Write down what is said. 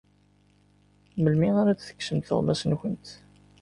Melmi ara ad tekksemt tuɣmas-nkent?